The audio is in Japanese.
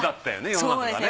世の中がね。